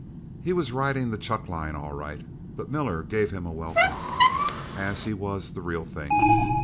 He was riding the chuckline all right, but Miller gave him a welcome, as he was the real thing.